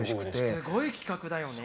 すごい企画だよね。